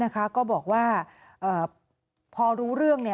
ก็บอกว่าพอรู้เรื่อง